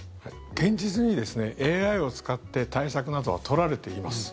現実にですねＡＩを使って対策などは取られています。